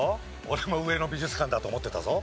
俺も上野美術館だと思ってたぞ。